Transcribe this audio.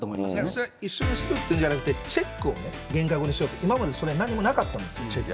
それは一緒にするっていうんじゃなくって、チェックを厳格にしようって、今までそれが何もなかったんですよ、チェック。